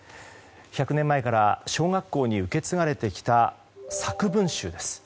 １００年前から小学校に受け継がれてきた作文集です。